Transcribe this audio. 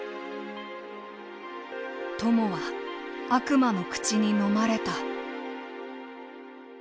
「友は、悪魔の口にのまれた」。